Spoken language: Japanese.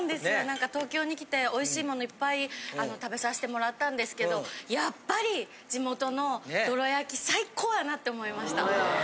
何か東京に来ておいしいものいっぱい食べさせてもらったんですけどやっぱり。って思いました。